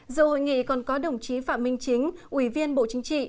dự hội nghị còn có đồng chí phạm minh chính ủy viên bộ chính trị